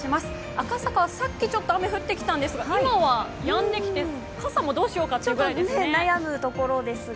赤坂はさっきちょっと雨が降ってきたんですが、今は、やんできて傘もどうしようかというところですね。